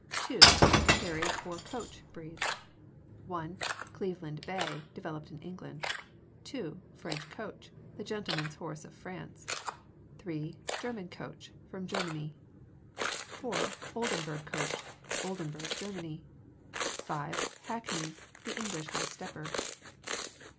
II. Carriage, or Coach, Breeds 1. Cleveland Bay, developed in England. 2. French Coach, the gentleman's horse of France. 3. German Coach, from Germany. 4. Oldenburg Coach, Oldenburg, Germany. 5. Hackney, the English high stepper.